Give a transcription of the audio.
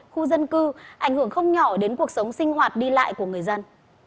khu dân cư ảnh hưởng không nhỏ đến cuộc sống sinh hoạt đi lại của người dân